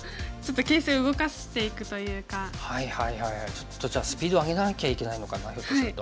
ちょっとじゃあスピードを上げなきゃいけないのかなひょっとすると。